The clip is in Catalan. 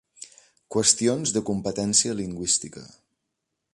Qüestions de competència lingüística.